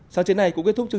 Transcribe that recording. xin cảm ơn